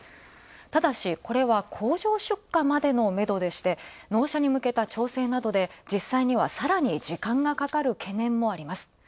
ただし、これは工場出荷までのめどでして、納車に向けた調整などで実際には、さらに時間がかかる懸念もあります。